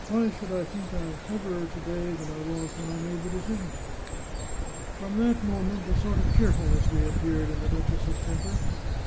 Why should I think I am cleverer to day than I was when I made the de cision ?" From that moment a sort of cheerfulness reappeared in 395 The Chartreuse of Parma the duchess's temper.